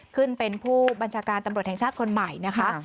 ขึ้นเป็นผู้บัญชาการตำรวจแห่งชาติคนใหม่นะคะ